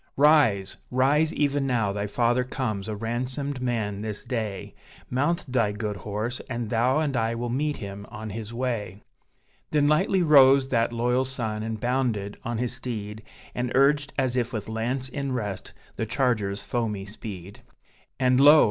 "Rise, rise! even now thy father comes a ransomed man this day: Mount thy good horse, and thou and I will meet him on his way." Then lightly rose that loyal son, and bounded on his steed, And urged, as if with lance in rest, the charger's foamy speed. And lo!